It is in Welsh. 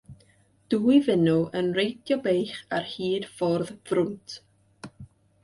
Dwy fenyw yn reidio beic ar hyd ffordd frwnt.